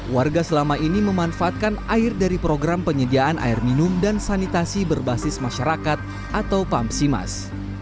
warga selama ini memanfaatkan air dari program penyediaan air minum dan sanitasi berbasis masyarakat atau pamsimas